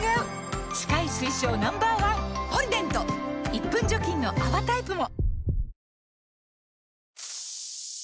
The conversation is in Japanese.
１分除菌の泡タイプも！